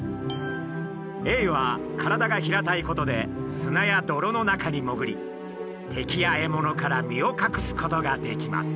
エイは体が平たいことで砂や泥の中に潜り敵や獲物から身を隠すことができます。